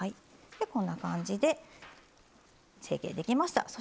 こんな感じで成形できました。